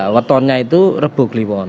wetonnya itu rebukliwon